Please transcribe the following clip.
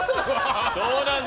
どうなんだ？